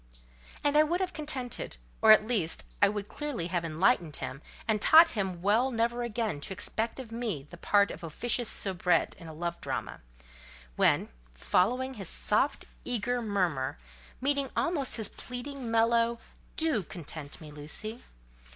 And I would have contented, or, at least, I would clearly have enlightened him, and taught him well never again to expect of me the part of officious soubrette in a love drama; when, following his, soft, eager, murmur, meeting almost his pleading, mellow—"Do content me, Lucy!"